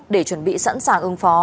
để chuẩn bị sẵn sàng ứng phó